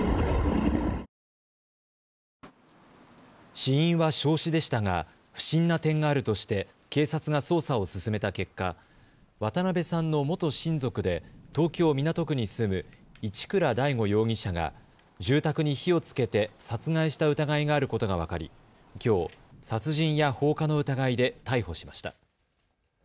死因は焼死でしたが不審な点があるとして警察が捜査を進めた結果、渡邉さんの元親族で東京港区に住む一倉大悟容疑者が住宅に火をつけて殺害した疑いがあることが分かりきょう殺人や放火の疑いで逮捕しました。